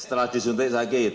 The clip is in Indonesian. setelah disuntik sakit